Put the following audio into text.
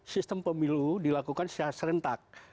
sistem pemilu dilakukan secara serentak